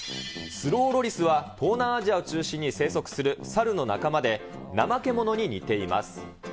スローロリスは、東南アジアを中心に生息するサルの仲間で、ナマケモノに似ています。